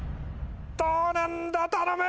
どうなんだ頼む！